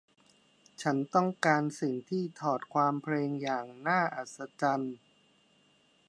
ฉันต้องการสิ่งที่ถอดความเพลงอย่างน่าอัศจรรย์